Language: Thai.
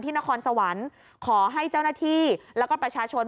นครสวรรค์ขอให้เจ้าหน้าที่แล้วก็ประชาชน